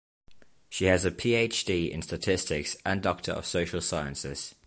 She has a Ph.D in Statistics and Doctor of Social Sciences.